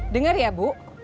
dengar ya bu